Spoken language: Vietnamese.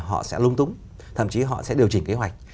họ sẽ lung túng thậm chí họ sẽ điều chỉnh kế hoạch